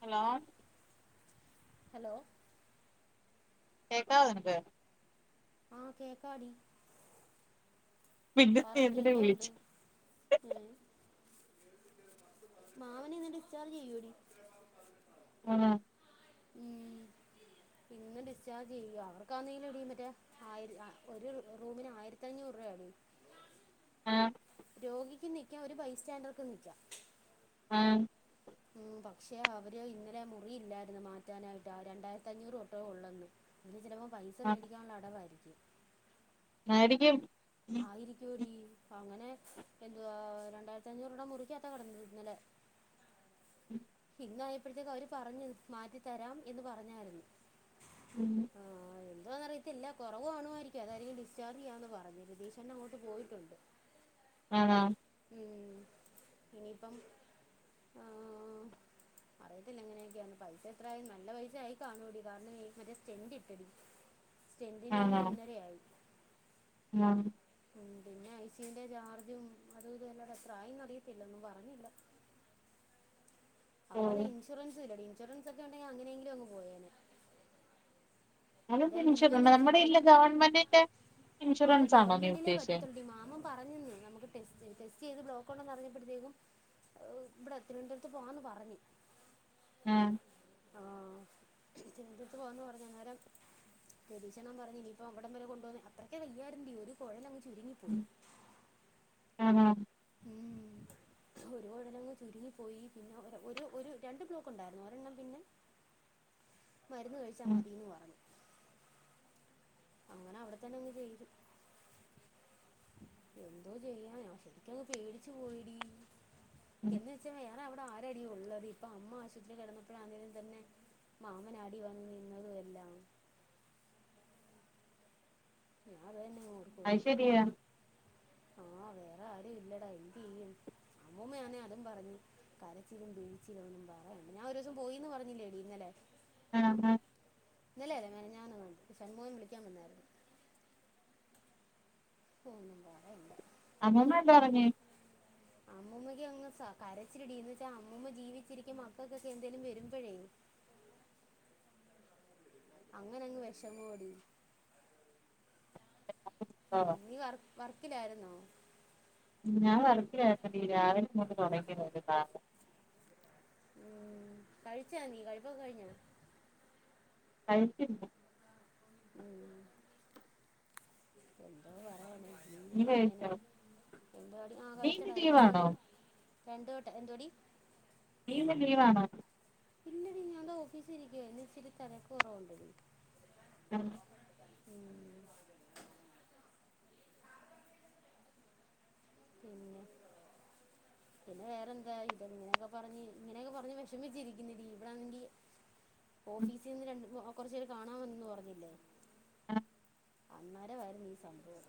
Hello hello കേക്കാവൊ നിനക്ക് ആഹ കേക്കാടി പിന്നെ പറയടി നീയെന്തിനെ എന്തോ വിളിചെ മാമനി ന്ന് ഡിസ്ചാർജ് ചെയ്യൂടി ആഹ ഉം പിന്ന ഡിസ്ചാർജ് ചെയ്യ അവർക്കാന്നെങ്കിലും അടിയും പറ്റേ ആയി ഒരു റൂമിന് ആയിരത്തി അഞ്ഞൂറ് രൂപ അട ആ രോഗിക്ക് നിക്കാൻ ഒരു ബൈസ് സ്റ്റാൻഡർക്ക് നിക്കാം ആഹ ഉ പക്ഷെ അവര് ഇന്നലെ മുറിയില്ലായിരുന്നു മാറ്റാനായിട്ട് ആ രണ്ടായിരത്തി അഞ്ഞൂറ് തൊട്ടേ ഉള്ളെന്ന് അതിെ ചിലപ്പോ പൈസ ആ മേടിക്കാനുള്ള അടവായിരിക്കും ആയിരിക്കും ആയിരിക്കോടിീ അങ്ങനെ എന്തുവാ രണ്ടായിരത്തി അഞ്ഞൂറൂടെ മുറിക്കാത്ത കിടന്ന ഇന്നല്ലെ ഉം ഇന്നയപ്പോഴത്തേക്ക് അവര് പറഞ്ഞു മാറ്റിത്തരാം എന്ന് പറഞ്ഞായിരുന്നു ഉം എന്തോെന്ന് അറിയത്തില്ല കുറവാണുവായിരിക്കും അതായിരിക്കും ഡിസ്ചാർജ് ചെയ്യാന്ന് പറഞ് രതീഷേട്ടനങ്ങോട്ട് പോയിട്ടുണ്ട് ആ ഉം ഇനിയിപ്പം ആഹ് അറിയത്തില്ല എങ്ങനെയൊക്കെയന്ന് പൈസ എത്രായ നല്ല പൈസ ആയി കാണുംടി കാരണം മറ്റേ സ്റ്റെൻഡ ഇട്ടടി സ്റ്റെൻഡിന് തന്നെ ആണോ ഒന്നരയായി ആ ഉ പിന്നെ ഐ സ്യുന്റെ ചാർജും അതും ഇതൂടെ എത്രായിന്ന് അറിയത്തില്ല ഒന്നും പറഞ്ഞില്ല ഓ അവ്ട്ന്നാണെ ഇൻഷുറൻസുല്ലെടി ഇൻഷുറൻസ് ഒക്കെ ഉണ്ടെങ്കിൽ അങ്ങനെയെങ്കിലും അങ്ങ് പോയേനെ എന്തായാലും അങ്ങനിഷ ജീവൻ തിരിച്ചു നമ്മുടെ കിട്ടി ഇല്ല ഗവൺമെന്റിന്റെ അത് ഇൻഷുറൻസ് ആണോ നീ ഗവൺമെന്റിലേ ഉദ്ദേശിച്ചേ പറ്റത്തുള്ള മാമം പറഞ്ഞന്ന നമുക്ക്ടെ ച്ചെയ്ത് ബ്ലോക്ക് ഉണ്ടെന്നറിഞ്ഞപ്പോഴത്തേക്കും ഇവടെ തിരുവനന്തപുരത്ത് പോവാന്ന് പറഞ്ഞു ആഹ് ആഹ് തിരുനന്തപുരത്ത് പോവാന്ന് പറഞ്ഞു അന്നേരം പരീക്ഷണന്ന് പറഞ്ഞ ഇനിയിപ്പോ അവിടം വരെ കൊണ്ട പോന്ന അത്ര വയ്യാരണ്ടി ഒര് കോയലായി ചുരുങ്ങിപോയി ആ ആ ഉം രുപാടെന്നങ് ചുരുങ്ങി പോയി പിന്നെ ഒ ഒരു രണ്ട് ബ്ലോക്ക് ണ്ടായിരുന്നു ഒരെണ്ണം പിന്നെ മരുന്ന് കഴിച്ചാൽ ഉം മതിന്ന് പറഞ്ഞു അങ്ങനെ അവിടെ തന്നെ അങ്ങ് ചെയ്തു എന്തോ ചെയ്യാന ശരിക്കങ്ങ് പേടിച്ചു പോയിടി ഉം എന്ന് വച്ച പോയാ യ്നവടാരാടി ഉള്ളത് ഇപ്പൊ അമ്മ ആശുപത്രിക്കെടന്നപ്പഴാണെ തെന്നെ മാമനാടി വന്നു നിന്നതും എല്ലാം [unintelligible] ഓർക്കുമായിരുന്നു അയ്ശരിയാ വേറാരും ഇല്ലടാ എന്തെയ്യും അമ്മൂമ്മ ആന്നെ അതും പറഞ് കരച്ചിലും പിഴിച്ചിലും ഒന്നും പറയണ്ട ഞാൻ ഒരുസം പോയിന്ന് പറഞ്ഞില്ലേടി ഇന്നലെ ആണോ ആഹ് ഇല്ല ല്ല മൊന ഞാനൊന്നും ഷൺമൂം വിളിക്കാൻ വന്നായിരുന്നു പോന്നും പോറണ്ട് അമ്മമ്മ എന്താ പറഞ്ഞ അമ്മൂമ്മക്ക് അങ്ങ് കരച്ചിടിന്ന് വെച്ചാ അമ്മൂമ്മ ജീവിച്ചിരിക്കുമ്പ മക്കൾക്കൊക്കെ എന്തേലും വരുമ്പോഴേ അങ്ങനങ്ങ് വിഷമ എടി [unintelligible] വർക്ക്ലായിരുന്നോ ഞാൻ വർക്കിലായിരുന്നെടീ രാവിലെ മുതല് തൊടങ്ങിയതാ ഉം കഴിച്ചാ നീ കഴിപ്പൊക്കെ കഴിഞ്ഞോ കഴിച്ചില്ല ഉം എന്തോ പറയാന് നീ കഴിച്ചോ മണി ആ നീ ഇന്ന് കഴിച്ചടാ രണ്ട് ലീവാണോ മണി രണ്ട് വട്ടം എന്തോടി നീ ഇന്ന് ലീവാണോ പിന്നടി ഞുടെ ഓഫീസ് ഇരിക്കുവായിന്ന് ഇച്ചിരി തലക്ക് കുറവുണ്ട ആഹ പിന്നെ പിന്നെ വേറെന്താ ഇത ഇങ്ങനെയൊക്കെ പറഞ്ഞ് ഇങ്ങനെയൊക്കെ പറഞ്ഞ് വിഷമിച്ചിരിക്കുന്നില്ലീ ഇവിടൊണെങ്കി ഓഫീസിൽ നിന്ന് ര കൊറച്ചര് കാണാമന്നു പറഞ്ഞില്ലേ ആ അന്നേരമായിരുന്നു സംഭവം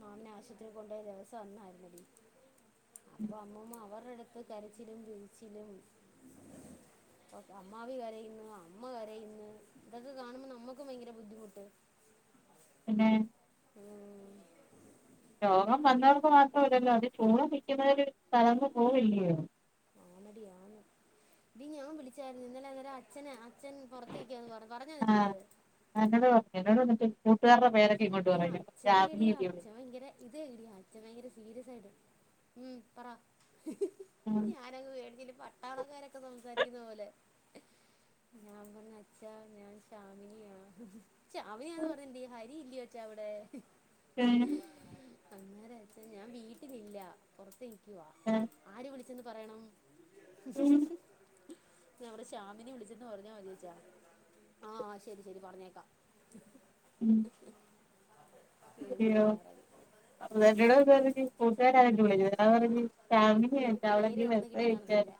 മാമനെ ആശുപത്രിയിൽ കൊണ്ട ദിവസം അന്നായിരുന്നടി അപ്പൊ അമ്മൂമ്മ അവർ ഒടെടുത്ത് കരച്ചിലും വീഴിച്ചിലും അമ്മാവി കരയുന്നു അമ്മ കരയുന്നു ഇതൊക്കെ കാണുമ്പോ നമ്മുക്ക് ഭയങ്കര ബുദ്ധിമുട്ട് ഉം മ് രോഗം വന്നവക്ക് മാത്രമല്ലല്ലോ അത് ചൂണ് നിൽക്കുന്നരു സ്ഥലന്നു പോൂവല്ലയോ ഞാനടിയ ഇ ഞാൻ വിളിച്ചായിരുന്നുഇന്നലെ അന്നര അച്ഛെ അച്ഛൻ പുറത്തേക്കാന്ന് പറ പറഞ്ഞതിന്റെറെ ആഹ് അടുത്തത് എന്നോട് പറഞ്ഞു എന്നോട് എന്നിട്ട് കൂട്ടുകാരുടെ പേരെ ഇട അച്ഛന എടിയാ അച്ഛൻ ഭയങ്കര ഇത് എട അച്ഛൻ ഭയങ്കര സീരിയസ് ആയിട്ട് ഉം പറ ഞാനങ്ങ മേടിച്ചട്ട പട്ടാളക്കാരൊക്കെ സംസാരിക്കുന്ന പോലെ ഞാൻ പറഞ്ഞ അച്ചാ ഞാൻ ഷാമിനിയാണ് ച അവനാന്ന് പറഞ്ഞി് ഹരി ഇല്ല യ് ചവിടെ അങ്ങേരച്ച ഞാൻ വീട്ടിലില്ല പുറത്തേ ആര് വിള ന്ന് പറയണം മ് ഞ അവടെ ശഷാമിനി വിളിച്ചന്ന് പറഞ്ഞ മതി ചേച്ചാ ആഹ ശരി ശരി പറഞ്ഞേക്കാം പേരിന്ന് മാറവി അയോട കൂട്ടുകാരായി വിള അവ ഫാമ പേര് അവിടെങ്ക വ പെട്ടെന്ന് കഴച്ച കിട്ടിക്കാണത്തില്ല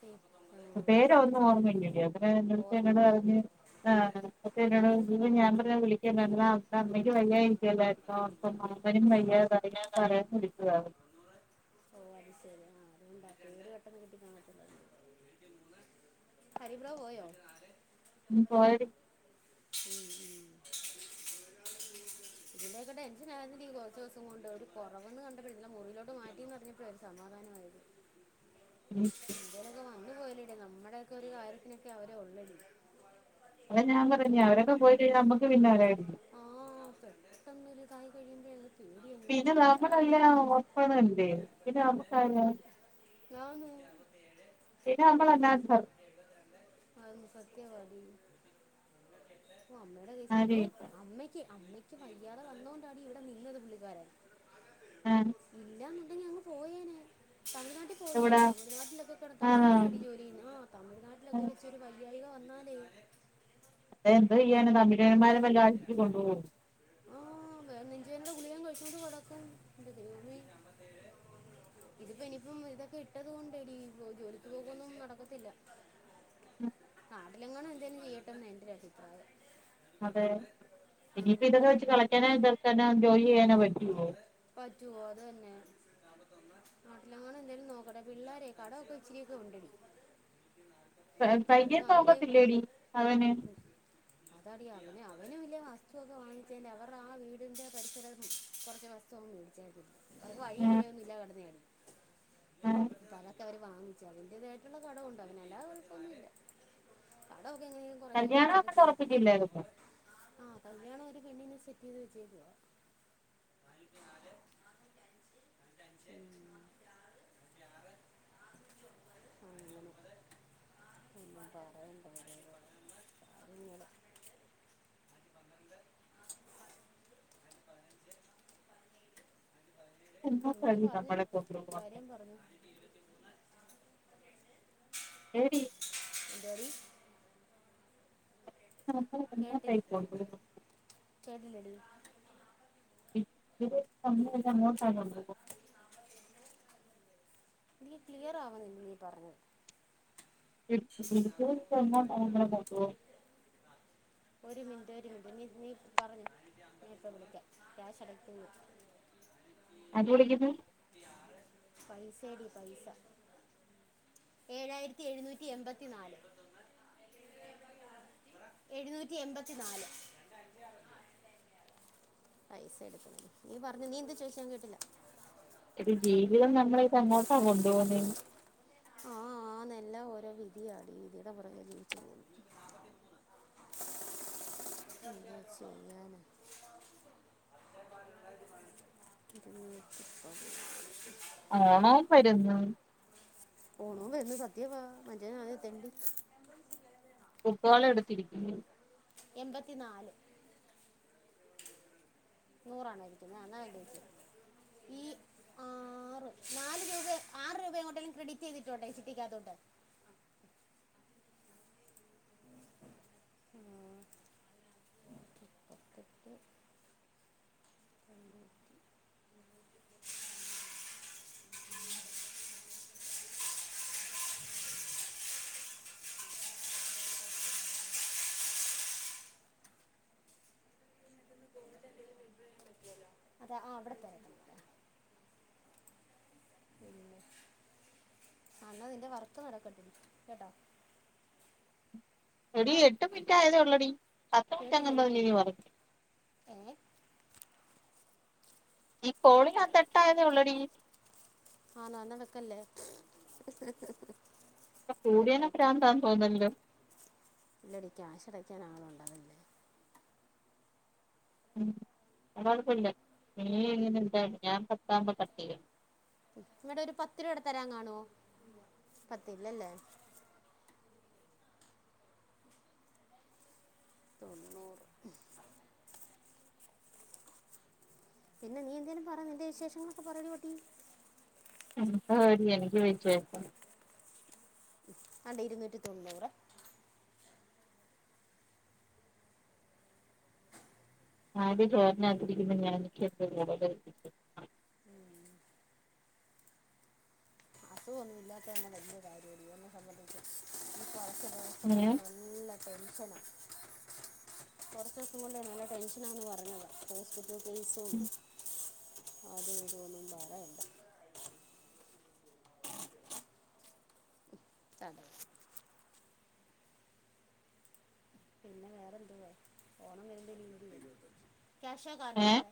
പേ- ആ, പേര് ശരി ഒന്നന്ന് ഓർമ്മട അന ഓർമ്മ എന്നോട് നാളത്തെ പറ് മറ്റ എന്നോട് ഇ ഞാൻ പറഞ്ഞ വിളിക്കാ അെങ്കക്ക് വയ്യായിരിക്കല്ല ആ അപ്പരു ഇതായി പറയാൻ വിക്കതാണ് ഓ അത് ശെരി ആ അത്ണ്ടാക്കര് പെട്ടെന്ന് കിട്ടി കാണ ഹരിപ്ര പോയോ [unintelligible] ഇതിന്റെൊക്കെ ടെൻഷൻ ആയിരുന്നില്ല കുറച്ച ദിവസം കൊണ്ട് ഒരുര് കുറവന്ന് കണ്ടപ്പോഴ ഇല്ല മുറിിലോട്ട് മാറ്റി അപ്പോഴ ഒരു സമാധാനമായിത് മ് അു പോയിലട നമ്മുടെയ ഒക്കെ ഒരു കാര്യത്തിനൊക്കെ അവരെ ഉള്ളടി അത ഞാൻ അപ്പൊ പറഞ്ഞ പിന്നെ അവരൊക്കെ പോയി കഴിഞ്ഞാൽ നമ്മുക്ക് പിന്നെ വരാു ആ പെട്ടെന്നൊരു ഇതായി കഴിയുമ്പോഴേ പേടിയാണ് പിന്നെ വേറെ ആരും നമ്മളെല്ലാം ഓർപ്പണുണ്ട് പിന്നെ നമ്മക്ക ഞാൻ പിന്നെ നമ്മൾല്ല അതൊന്ന് സത്യമാടി ഓ അമ്മയുടെ അതോ ആരുമില്ല അമ്മയ്ക്ക് അമ്മയ്ക്ക് വയ്യാതെ വന്നതോൊണ്ടാണ് ഇവിടെ നിന്നത് പുള്ളിക്കാരൻ ആ ഇന്ത തമിഴ്ാട്ടിൽ പോയിനേ എവിടാ തമിഴ്ാട്ടൊക്കെ ആ തമി്ാട്ട അടി ജോലനാ തമി്ാട്ടൊക്കെ വെച്ച ഒരു വല ല്ലാം വന്നാനേ അത എന്ത് ചെയ്യാന തമിലേന്മാരെ വല്ല ആഴ്ച്ച് കൊണ്ടുപോകു ആ വേറെ നെഞ്ചുവേന്റെ ഗുളിക ഞാൻ കഴിച്ചത് കൊടക്കും ജോ ഇതിപ്പോ ഇനിയിപ്പം ഇതൊക്കെ ഇട്ടത് കൊണ്ട്ടി ജോലിക്ക് പോകൊന്നും നടക്കത്തില്ല ഉം പാട്ടിലെങ്ങണണം എന്തെങ്കിലും ചെയ്യട്ടെന്ന് എൻ്റെ ഒരുരഭിപ്രായം അതെ ഇനിയിപ്പോ ഇതൊക്കെ വെച്ച് കളക്കാനോ എതർക്കാനോ രോയിന വി നാട്ടില അങ്ങോണ എന്തായാലും നോക്കട്ടെ പിള്ളോര കടൊക്കെ ഇച്ചിരിയൊക്കെ വണ്ടടി വൈകന്ന് നോക്കത്തില്ലേടി അവന് അവനും വിയ വസ്തു ഒക്കെ വാങ്ങിച്ചതി് അവടെ ആ വീടിൻ്റെ പരസകൾ കുറച്ച് വർഷവുംന്നും മേടിച്ചായിരിക്കില്ല അത് ആ, കഴിയുമ്പഴേ ഒും ഇില കടന്നയാണ് ആ. ഇതത്തവർ വാങ്ങിച്ചു അ അവന്റതായിട്ടുള്ള കടവുണ്ട്ോ അവന്ല്ലാ കുഴസൊന്നുമില്ല കല്യാണം അെ ഉറപ്പട്ടില്ലപ്പ ആ കല്യാണം ഒരു പെണ്ണിനെ സെറ്റ് ചെയത് ചെയ്തുോ ഉ അങ്ങനെ ഒന്നും പാറുണ്ട് അങ്ങനെ എന്നാ നീ കഴി പറഞ്ഞു നമ്മളെ കൊണ്ടുപോകാൻ കാര്യം പറഞ്ഞു എരി ഇ ഡറി [unintelligible] കനടി ഇ എല്ല മോട്ടാണ്ട നീ ക്ലിയർ ആവാ നി നീ പറഞ്ഞു ഉം അെ പറ്റോ ട്ടൊരുടുങ്ങി നീ പറഞ്ഞോ നീ ഇപ്പ വിളിക്കാം ക്യാഷടക്കുന്നു അത് വിളിക്കുന്നു പൈസേടി പൈസ ഏഴായിരത്തി എഴുന്നൂറ്റി എൺപത്ത് ത്തി നാല് എഴുന്നൂറ്റി എമ്പത്തി നാല് പൈസ എടുക്ക നീ പറഞ്ഞു നീ എന്ത് ചോദിച്ചേ ഞാൻകേട്ടില്ല ഒരു ജീവിതം നമ്മളെ ഇത് എങ്ങോട്ടാ കൊണ്ടു പോകുന്നേ ആ ആ നെല്ല ഓരോ വിധിയാണ് ഈ വിധിടെ പുറകെ ജീവിച്ചു പോകുന്നു എന്തോ ചെയ്യാനാ [unintelligible] ഓണോം വരുന്നു ഓണോം വരുന്നു സത്യവാ മറ്റേ ഞാന് തെണ്ടി കുത്തുവാള എടുത്തിരിക്കുന്നു എൺപത്തി നാല് നൂറാണേയിരിക്കുന്നേ എന്നാ എടിച്ചോ ഈ ആറ് നാല് രൂപ ആറ് രൂപങ്ങോട്ടേലും ക്രെഡിറ്റ് ചെയ്തിട്ട് ഒണ്ടോ ഈ ചിട്ടിക്കാത്തോട്ട് [inaudible] അതെ ആ അവിടത്തൊ [unintelligible] എന്നാൽ നിന്റെ വർക്ക് നടക്കട്ട് കേട്ടോ എടി എട്ട് മിനിറ്റ് ആയതേ ഒള്ളടി പത്ത് കേട്ടില്ലടി മിനിറ്റങ്ങന്തോല്ലേടി പറഞ്ഞെ ഏ ഈ കോളിനാത്ത് എട്ടായതേ ഒള്ളടി ആന്നോ എന്നാ വെക്കല്ലേ കൂടിയനെ കെട്ടാപ്പൂ പ്രാന്താന്ന് തോന്നല്ലോ ഇല്ലടി ക്യാഷയച്ച് തരാൻ ആളൊണ്ട് ഉം അത് കൊഴപ്പില്ല നീ ഇങ്ങനെ ഇന്താ ഞാൻ പത്താമ്പോ കട്ടെയ്യും ഇങ്ങടൊരു പത്ത് രൂപയൂടെ തരാൻ കാണുവോ പത്തില്ലല്ലേ തൊണ്ണൂറ് പിന്നെ നീ എന്തേലും പറ നിൻ്റെ വിശേഷങ്ങളൊക്കെ പറേടി പൊട്ടി സാരിയ എനിക്ക് വെച്ചേക്കോ അല്ല ഇരുന്നൂറ്റി തൊണ്ണൂറ് ആടി [unintelligible] ഞാൻ [unintelligible] അസുഖോന്നുല്ലാത്ത തന്നെ വലിയ കാര്യാ എന്നെ സംബന്ധിച്ച് [unintelligible] [unintelligible] കൊണ്ട് ഏ നല്ല ടെൻഷനാ കൊറച്ചോസം കൊണ്ട് നല്ല ടെൻഷൻ ആന്ന് പറഞ്ഞതാ ഹോസ്പി [unintelligible] അത് ഇത് ഒന്നും പറയണ്ട ത പിന്നെ വേറെന്തുവാ ഓണം വരുമ്പേ [unintelligible] ക്യാഷോ കാർഡോ ഏ സാറെ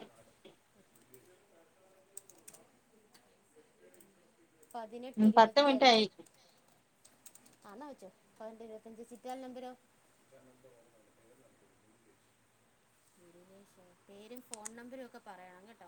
പതിനെട്ട് ഉം പത്ത് ഇരുപത്തി മിനിറ്റ് അഞ്ച് ആയി ആന്നാ വെച്ചോ പതിനെട്ട് ഇരുപത്തഞ്ച് [unintelligible] നമ്പരോ [unintelligible] പേരും ഫോൺ നമ്പരും ഒക്കെ പറയണം കേട്ടോ